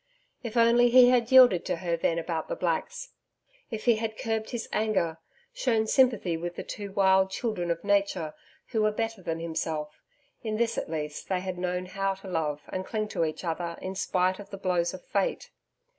If only he had yielded to her then about the Blacks! If he had curbed his anger, shown sympathy with the two wild children of Nature who were better than himself, in this at least that they had known how to love and cling to each other in spite of the blows of fate!